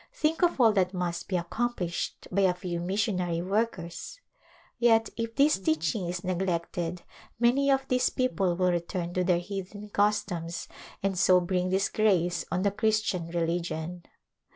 Think of all that must be accom plished by a few missionary workers ! Yet if this teaching is neglected many of these people will return to their heathen customs and so bring disgrace on the Christian religion.